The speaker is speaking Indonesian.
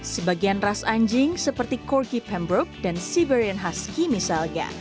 sebagian ras anjing seperti corki pembruk dan siberian husky misalnya